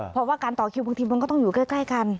เพราะว่าการต่อคิวบางทีมันก็ต้องอยู่ใกล้กัน